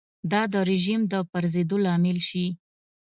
دا د رژیم د پرځېدو لامل شي.